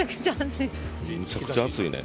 めちゃくちゃ暑いね。